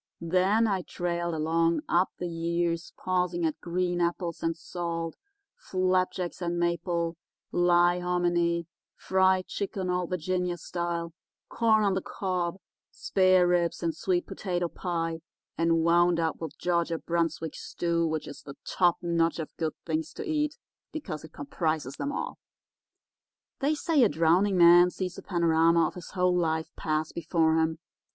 Then I trailed along up the years, pausing at green apples and salt, flapjacks and maple, lye hominy, fried chicken Old Virginia style, corn on the cob, spareribs and sweet potato pie, and wound up with Georgia Brunswick stew, which is the top notch of good things to eat, because it comprises 'em all. "They say a drowning man sees a panorama of his whole life pass before him.